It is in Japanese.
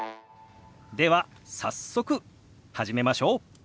では早速始めましょう。